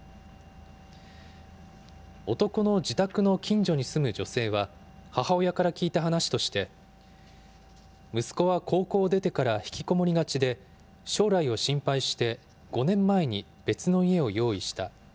男の自宅の近所に住む女性は、母親から聞いた話として、息子は高校を出てから引きこもりがちで、将来を心配して、５年前に別の家を用意した。